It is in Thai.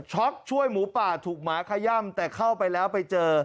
ช่วยหมูป่าถูกหมาขย่ำแต่เข้าไปแล้วไปเจอ